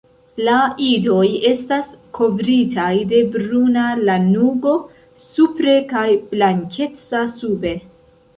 La idoj estas kovritaj de bruna lanugo supre kaj blankeca sube.